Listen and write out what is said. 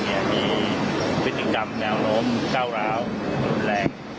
นายเอ็มเองมีพฤติกรรมแนวโน้มเก่าราวหลงแรง